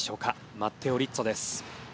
マッテオ・リッツォです。